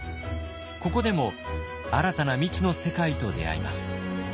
ここでも新たな未知の世界と出会います。